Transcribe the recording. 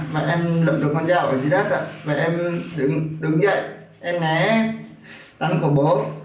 và em lậm được con dao ở dưới đất và em đứng dậy em ngé đánh của bố